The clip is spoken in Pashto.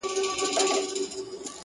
زه درته څه ووايم.